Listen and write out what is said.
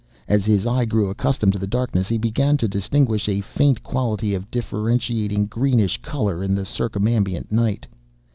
As his eye grew accustomed to the darkness, he began to distinguish a faint quality of differentiating greenish colour in the circumambient night.